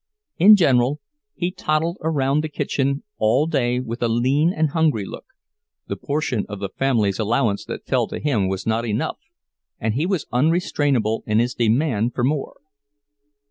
In general, he toddled around the kitchen all day with a lean and hungry look—the portion of the family's allowance that fell to him was not enough, and he was unrestrainable in his demand for more.